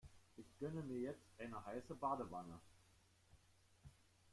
Ich gönne mir jetzt eine heiße Badewanne.